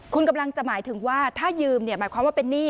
คุณกำลังจะหมายถึงว่าถ้ายืมหมายความว่าเป็นหนี้